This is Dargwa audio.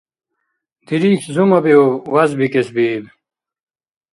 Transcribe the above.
Дирихь зумабиуб, вязбикӀесбииб.